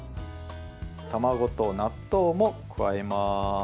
卵と納豆も加えます。